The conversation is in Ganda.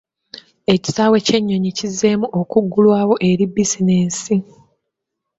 Ekisaawe ky'ennyonyi kizzeemu okuggulwawo eri bizinensi.